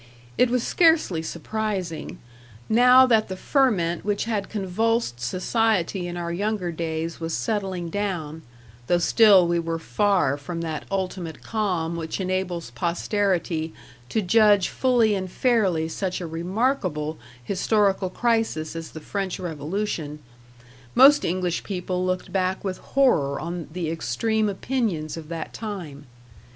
It was scarcely surprising. Now that the ferment which had convulsed society in our younger days was settling down, though still we were far from that ultimate calm which enables posterity to judge fully and fairly such a remarkable historical crisis as the French Revolution, most English people looked back with horror on the extreme opinions of that time.